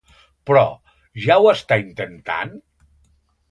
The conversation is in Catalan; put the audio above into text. Però, ja ho està intentant?